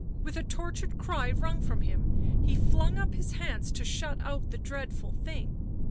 With a tortured cry wrung from him he flung up his hands to shut out the dreadful thing.